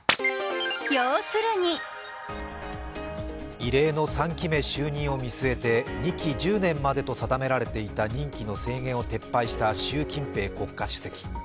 異例の３期目就任を見据えて、２期１０年までと定められていた任期の制限を撤廃した習近平国家主席。